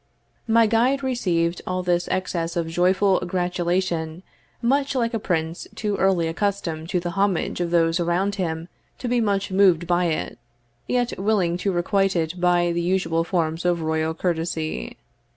My guide received all this excess of joyful gratulation much like a prince too early accustomed to the homage of those around him to be much moved by it, yet willing to requite it by the usual forms of royal courtesy.